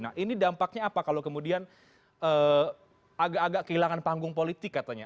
nah ini dampaknya apa kalau kemudian agak agak kehilangan panggung politik katanya